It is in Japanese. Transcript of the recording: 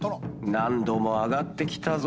難度も上がってきたぞ。